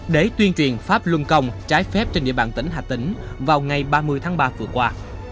để tuyên truyền pháp luân công trái phép trên địa bàn tỉnh hà tĩnh vào ngày ba mươi tháng ba vừa qua